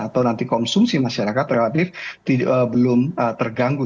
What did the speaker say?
atau nanti konsumsi masyarakat relatif belum terganggu